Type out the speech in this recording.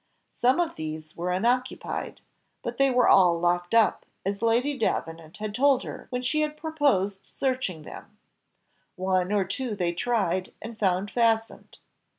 Some of these were unoccupied, but they were all locked up, as Lady Davenant had told her when she had proposed searching them; one or two they tried and found fastened.